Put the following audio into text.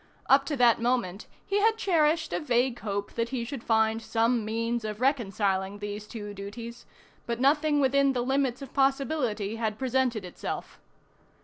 Up to that moment he had cherished a vague hope that he should find some means of reconciling these two duties, but nothing within the limits of possibility had presented itself.